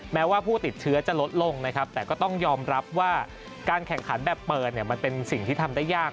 แม้ว่าผู้ติดเชื้อจะลดลงนะครับแต่ก็ต้องยอมรับว่าการแข่งขันแบบเปิดเนี่ยมันเป็นสิ่งที่ทำได้ยาก